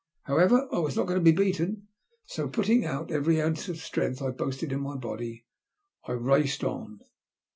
However, I was not going to be beaten, so putting out every ounce of strength I boasted in my body, I raced on.